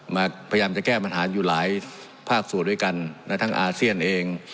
พยายามจะแก้ปัญหาอยู่หลายภาคส่วนด้วยกันนะทั้งอาเซียนเอง